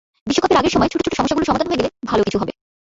বিশ্বকাপের আগের সময়ে ছোট ছোট সমস্যাগুলো সমাধান হয়ে গেলে ভালো কিছু হবে।